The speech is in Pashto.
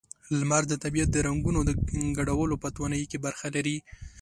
لمر د طبیعت د رنگونو د ګډولو په توانایۍ کې برخه لري.